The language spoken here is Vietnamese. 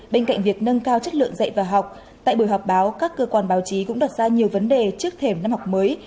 bên cạnh việc nâng cao chất lượng dạy và học tại buổi họp báo các cơ quan báo chí cũng đặt ra nhiều vấn đề trước thềm năm học mới